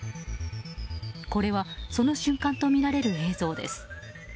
これは、その瞬間とみられる映像です。